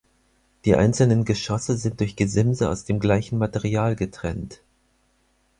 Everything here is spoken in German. Die einzelnen Geschosse sind durch Gesimse aus dem gleichen Material getrennt.